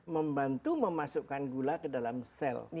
membantu memasukkan gula ke dalam sel